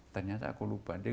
ternyata aku lupa